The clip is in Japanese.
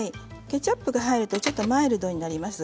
ケチャップが入るとちょっとマイルドになります。